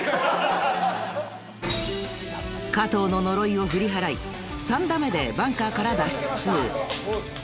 ［加藤の呪いを振り払い３打目でバンカーから脱出］